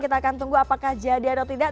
kita akan tunggu apakah jadi atau tidak